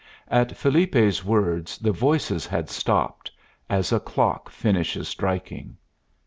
At Felipe's words the voices had stopped, as a clock finishes striking.